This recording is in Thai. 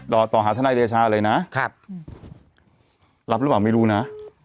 ต่อหาทนายเดชาเลยนะครับรับหรือเปล่าไม่รู้นะ